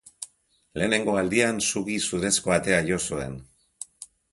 Lehenengo aldian sugi zurezko atea jo zuen.